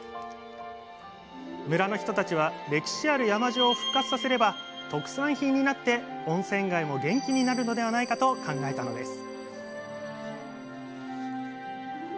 村の人たちは歴史ある山塩を復活させれば特産品になって温泉街も元気になるのではないかと考えたのです